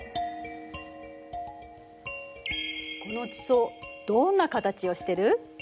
この地層どんな形をしてる？